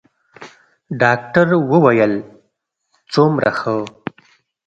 ډاکتر وويل څومره ښه.